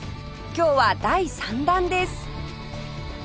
今日は第３弾です！